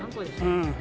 うん。